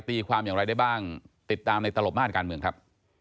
ตีความอย่างไรได้บ้างติดตามในตลบม่านการเมืองครับ